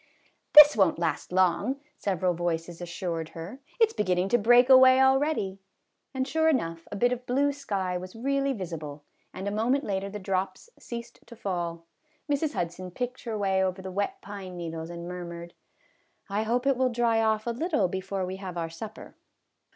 " This won't last long, " several voices assured her ;" it 's beginning to break away already," and sure enough, a bit of blue sky was really visible, and a moment later the drops ceased to fall. Mrs. Hud son picked her way over the wet pine needles and murmured, " I hope it will dry off a little before we have our supper."